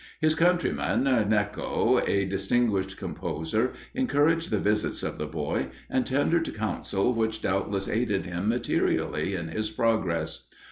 His countryman, Gnecco, a distinguished composer, encouraged the visits of the boy, and tendered counsel which doubtless aided him materially in his progress.